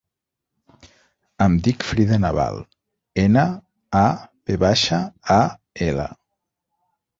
Em dic Frida Naval: ena, a, ve baixa, a, ela.